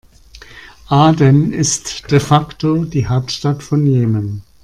Aden ist de facto die Hauptstadt von Jemen.